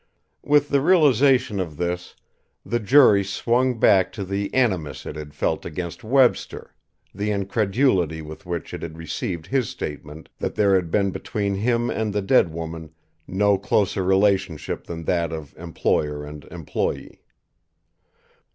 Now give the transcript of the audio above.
With the realization of this, the jury swung back to the animus it had felt against Webster, the incredulity with which it had received his statement that there had been between him and the dead woman no closer relationship than that of employer and employe.